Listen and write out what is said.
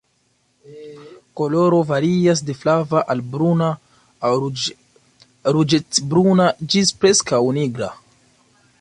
Koloro varias de flava al bruna aŭ ruĝecbruna ĝis preskaŭ nigra.